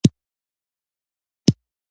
موږ دین اسلام دی .